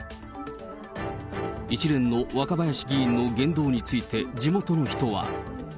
一連の若林議員の言動について、地元の人は。